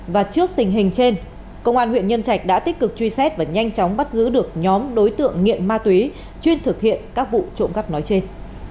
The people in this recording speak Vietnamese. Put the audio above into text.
và trước tình hình trên công an huyện nhân trạch đã tích cực truy xét và nhanh chóng bắt giữ được nhóm đối tượng nghiện ma túy chuyên thực hiện các vụ trộm cắp nói trên